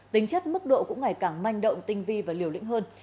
tính chất mức độ cũng ngày càng manh động tinh vi và liều lĩnh hơn